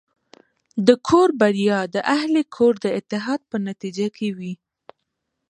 د کور بریا د اهلِ کور د اتحاد په نتیجه کې وي.